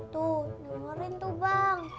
tuh ngeluarin tuh bang